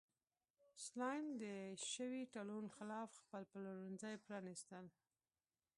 سلایم د شوي تړون خلاف خپل پلورنځي پرانیستل.